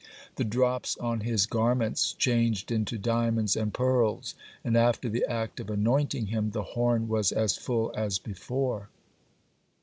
The drops on his garments changed into diamonds and pearls, and after the act of anointing him, the horn was as full as before.